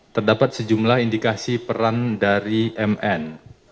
terdapat sejumlah indikasi peran dari mn